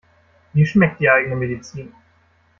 Wie schmeckt die eigene Medizin?